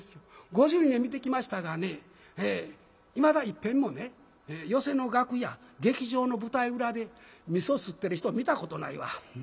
５２年見てきましたがねいまだいっぺんもね寄席の楽屋劇場の舞台裏でみそすってる人見たことないわ。